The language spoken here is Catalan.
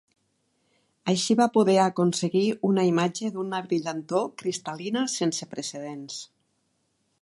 Així va poder aconseguir una imatge d'una brillantor cristal·lina sense precedents.